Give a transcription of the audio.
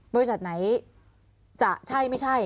บริษัทไหนจะใช่ไม่ใช่